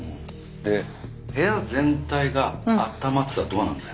で部屋全体が暖まってたらどうなんだ？